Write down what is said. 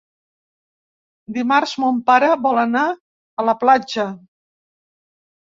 Dimarts mon pare vol anar a la platja.